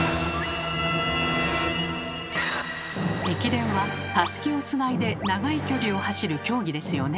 ⁉駅伝はたすきをつないで長い距離を走る競技ですよね。